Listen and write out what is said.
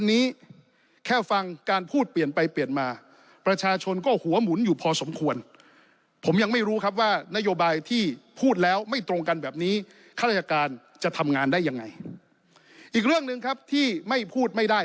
อีกเรื่องนึงครับที่พูดไม่ได้